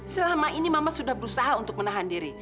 selama ini mamat sudah berusaha untuk menahan diri